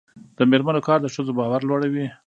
د میرمنو کار د ښځو باور لوړوي.